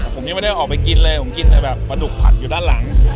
ผมยังไม่ได้ออกไปกินเลยผมกินแต่แบบปลาดุกผัดอยู่ด้านหลัง